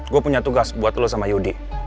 gue punya tugas buat lu sama yudi